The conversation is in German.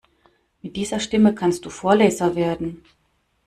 Mit dieser Stimme kannst du Vorleser werden.